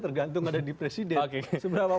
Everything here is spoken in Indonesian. tergantung ada di presiden seberapa